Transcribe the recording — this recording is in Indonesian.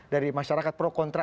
dari masyarakat pro kontra